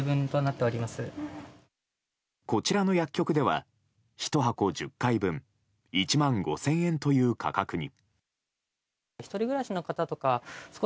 こちらの薬局では１箱１０回分１万５０００円という価格に。